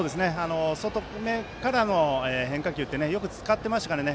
外めからの変化球ってよく使っていましたからね。